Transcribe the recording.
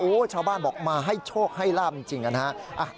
โอ้โหชาวบ้านบอกมาให้โชคให้ลาบจริงนะฮะ